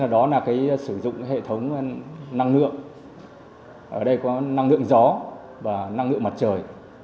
đó là sử dụng hệ thống năng lượng gió và năng lượng mặt trời